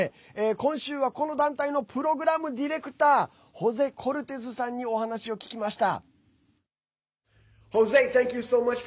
今週は、この団体のプログラムディレクターホゼ・コルテズさんにお話を聞きました。